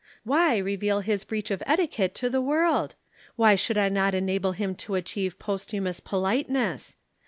_ Why reveal his breach of etiquette to the world? Why should I not enable him to achieve posthumous politeness!